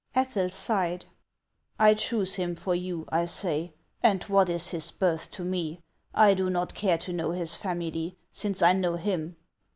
Ethel sighed. " I choose him for you, I say ; and what is his birth to me ? I do not care to know his family, since I know him.